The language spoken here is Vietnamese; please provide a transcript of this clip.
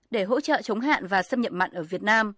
để hỗ trợ chống hạn và xâm nhập mặn ở việt nam